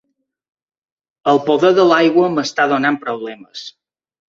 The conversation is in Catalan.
El poder de l'aigua m'està donant problemes.